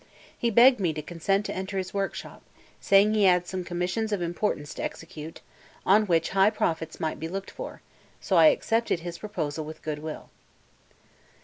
He begged me to consent to enter his workshop, saying he had some commissions of importance to execute, on which high profits might be looked for; so I accepted his proposal with goodwill.